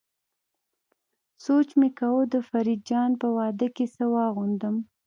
سوچ مې کاوه د فريد جان په واده کې څه واغوندم.